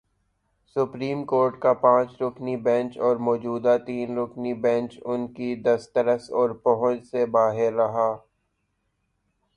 Supreme court کا پانچ رکنی بینچ اور موجودہ تین رکنی بینچ ان کی دسترس اور پہنچ سے باہر رہا۔